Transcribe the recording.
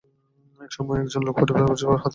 এমন সময় একজন লোক পরেশবাবুর হাতে একখানি চিঠি আনিয়া দিল।